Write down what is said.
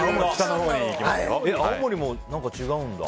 青森も何か違うんだ。